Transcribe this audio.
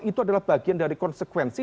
itu adalah bagian dari konsekuensi